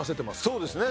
そうですね。